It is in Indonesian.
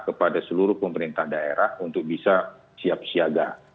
kepada seluruh pemerintah daerah untuk bisa siap siaga